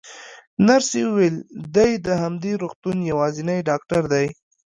نرسې وویل: دی د همدې روغتون یوازینی ډاکټر دی.